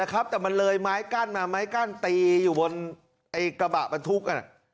มันเลยไม้กั้นมาตีอยู่บนก็บาปปะทุก